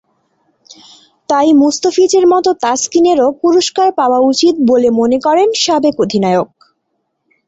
তাই মোস্তাফিজের মতো তাসকিনেরও পুরস্কার পাওয়া উচিত বলে মনে করেন সাবেক অধিনায়ক...